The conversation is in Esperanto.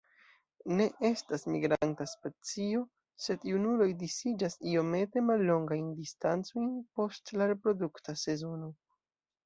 Ne estas migranta specio, sed junuloj disiĝas iomete mallongajn distancojn post la reprodukta sezono.